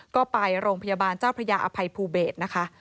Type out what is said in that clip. ก็ไปโรงพยาบาลเจ้าพระยาอภัยภูเบศนะคะ